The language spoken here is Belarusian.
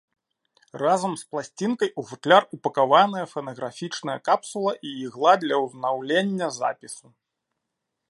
Разам з пласцінкай у футляр упакаваныя фанаграфічная капсула і ігла для ўзнаўлення запісу.